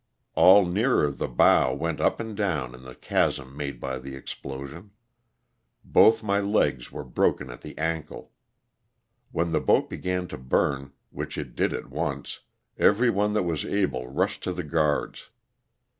All nearer the bow went up and down in the chasm made by the explosion. Both my legs were broken at the ankle. When the boat began to burn, which it did at once, every one that was able rushed to the guards.